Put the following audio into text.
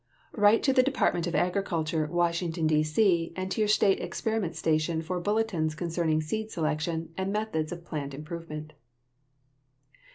Write to the Department of Agriculture, Washington, D.C., and to your state experiment station for bulletins concerning seed selection and methods of plant improvement.